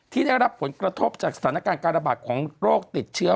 ที่ได้รับผลกระทบจากสถานการณ์การระบาดของโรคติดเชื้อ